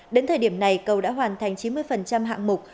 đến thời điểm này cầu đã hoàn thành chín mươi hạng mục